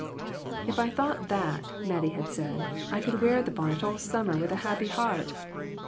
"If I thought that," Mattie had said, "I could wear the bonnet all summer with a happy heart.